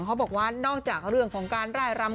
เขาบอกว่านอกจากเรื่องของการร่ายรำ